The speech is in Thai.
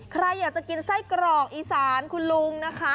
ใครอยากจะกินไส้กรอกอีสานคุณลุงนะคะ